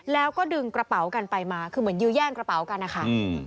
แล้วก็ดึงกระเป๋ากันไปมาคือเหมือนยื้อแย่งกระเป๋ากันนะคะ